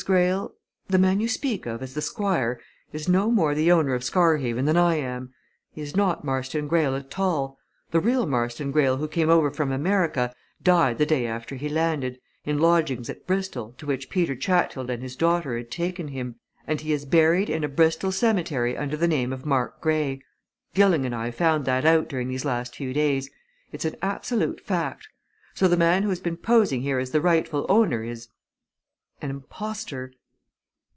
Greyle, the man you speak of as the Squire, is no more the owner of Scarhaven than I am! He is not Marston Greyle at all. The real Marston Greyle who came over from America, died the day after he landed, in lodgings at Bristol to which Peter Chatfield and his daughter had taken him, and he is buried in a Bristol cemetery under the name of Mark Grey; Gilling and I found that out during these last few days. It's an absolute fact. So the man who has been posing here as the rightful owner is an impostor!"